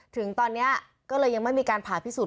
ถึงตอนนี้ก็เลยยังไม่มีการผ่าพิสูจน